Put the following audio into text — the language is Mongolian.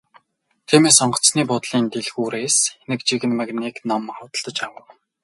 Тиймээс онгоцны буудлын дэлгүүрээс нэг жигнэмэг нэг ном худалдаж авав.